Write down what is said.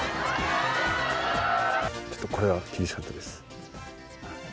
ちょっとこれは厳しかったです。